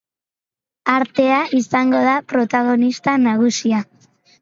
Artea izango da protagonista nagusia.